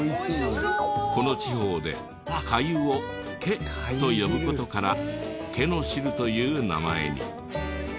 この地方で「粥」を「け」と呼ぶ事から「けの汁」という名前に。